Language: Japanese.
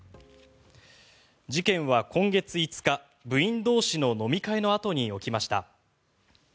事件は今月５日部員同士の飲み会のあとに起きました。